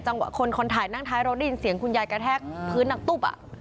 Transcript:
คนคนถ่ายนั่งท้ายรถได้ยินเสียงคุณยายกระแทกพื้นหนักตุ๊บอ่ะ